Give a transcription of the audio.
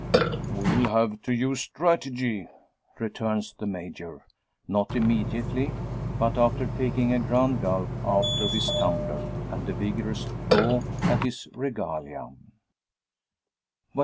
"We'll have to use strategy," returns the Major; not immediately, but after taking a grand gulp out of his tumbler, and a vigorous draw at his regalia.